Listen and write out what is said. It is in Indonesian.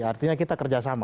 artinya kita kerjasama